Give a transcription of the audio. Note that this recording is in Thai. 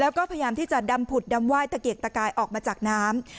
แล้วก็พยายามที่จะดำผุดดำไห้ตะเกียกตะกายออกมาจากน้ำ